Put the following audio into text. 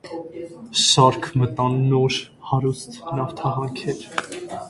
Շարք մտան նոր, հարուստ նավթահանքեր։